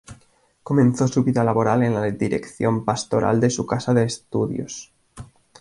Comenzó su vida laboral en la dirección pastoral de su casa de estudios.